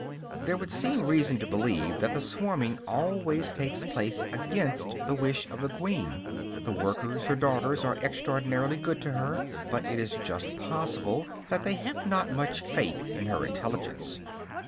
There would seem reason to believe that the swarming always takes place against the wish of the queen. The workers, her daughters, are extraordinarily good to her, but it is just possible that they have not much faith in her intelligence.